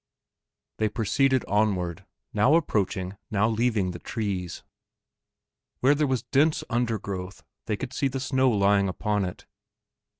They proceeded onward, now approaching, now leaving the trees. Where there was dense undergrowth they could see the snow lying upon it.